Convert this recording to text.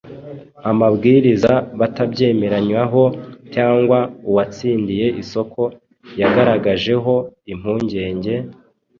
amabwiriza batabyemeranyaho cyangwa uwatsindiye isoko yagaragajeho impungenge;